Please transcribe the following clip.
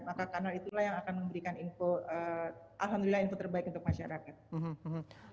maka karena itulah yang akan memberikan info alhamdulillah info terbaik untuk masyarakat